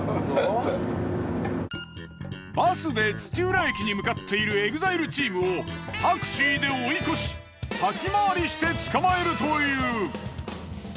バスで土浦駅に向かっているＥＸＩＬＥチームをタクシーで追い越し先回りして捕まえるという。